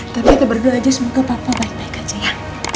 tapi kita berdua aja semoga papa baik baik aja ya